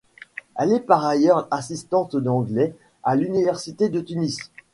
Elle est par ailleurs assistante d'anglais à l'université de Tunis.